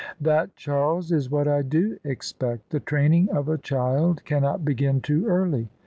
" That, Charles, is what I do expect. The training of a child cannot begin too early.